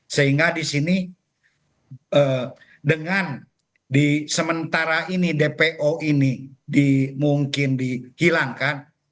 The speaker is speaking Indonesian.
sehingga di sini dengan di sementara ini dpo ini mungkin dihilangkan